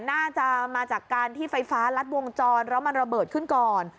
น่าจะมาจากการที่ไฟฟ้ารัดวงจรแล้วมันระเบิดขึ้นก่อน